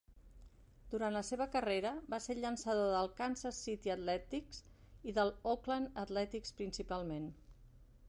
Durant la seva carrera, va ser el llançador del Kansas City Athletics i del Oakland Athletics principalment.